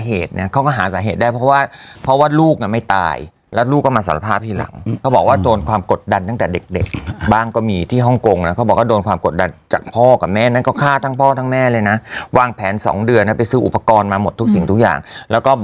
เหตุเนี่ยเขาก็หาสาเหตุได้เพราะว่าเพราะว่าลูกน่ะไม่ตายแล้วลูกก็มาสารภาพทีหลังเขาบอกว่าโดนความกดดันตั้งแต่เด็กเด็กบ้างก็มีที่ฮ่องกงนะเขาบอกว่าโดนความกดดันจากพ่อกับแม่นั้นก็ฆ่าทั้งพ่อทั้งแม่เลยนะวางแผนสองเดือนนะไปซื้ออุปกรณ์มาหมดทุกสิ่งทุกอย่างแล้วก็บ